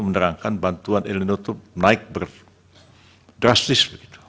mengatakan bantuan el nino itu naik drastis